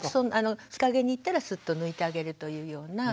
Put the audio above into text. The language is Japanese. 日陰に行ったらスッと抜いてあげるというような。